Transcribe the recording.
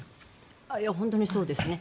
本当にそうですね。